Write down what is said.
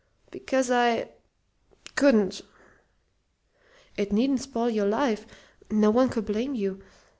"Because I couldn't." "It needn't spoil your life. No one could blame you.